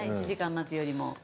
１時間待つよりも。